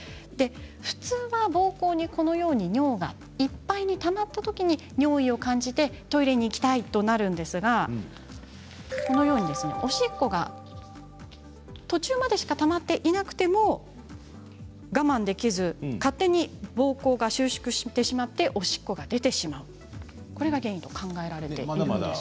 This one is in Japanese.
普通は、ぼうこうに尿がいっぱいにたまったときに尿意を感じてトイレに行きたいとなるんですがおしっこが途中までしかたまっていないときでも我慢できず勝手にぼうこうが収縮してしまっておしっこが出てしまうこれが原因と考えられています。